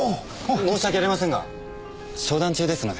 申し訳ありませんが商談中ですので。